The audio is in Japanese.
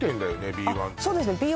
あっそうですね